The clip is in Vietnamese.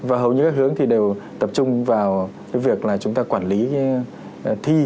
và hầu như các hướng thì đều tập trung vào cái việc là chúng ta quản lý thi